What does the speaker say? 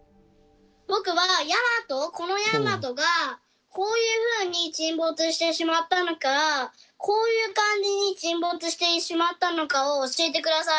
僕は大和この大和がこういうふうに沈没してしまったのかこういう感じに沈没してしまったのかを教えて下さい。